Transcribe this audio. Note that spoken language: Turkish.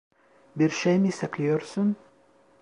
Bir şey mi saklıyorsun?